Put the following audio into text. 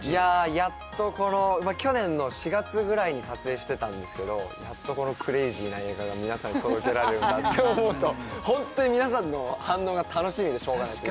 やっとこの去年の４月ぐらいに撮影してたんですけどやっとこのクレージーな映画が皆さんに届けられるんだって思うとホントに皆さんの反応が楽しみでしょうがないです